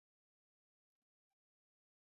لاس په لستوڼي کې را تېر کړه